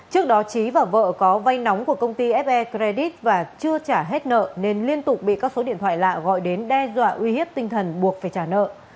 trước đó trí và vợ có vay nóng của công ty fe credit và chưa trả hết nợ nên liên tục bị các số điện thoại lạ gọi đến đe dọa uy hiếp tinh thần buộc phải trả nợ